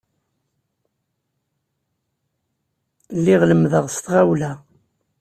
Lliɣ lemmdeɣ s tɣawla.